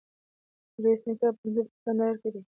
میرویس نیکه پوهنتون په کندهار کي دی.